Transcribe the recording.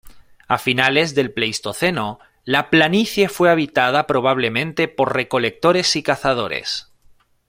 A finales del Pleistoceno, la planicie fue habitada probablemente por recolectores y cazadores.